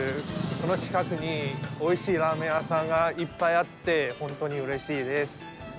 この近くに、おいしいラーメン屋さんがいっぱいあって本当にうれしいです。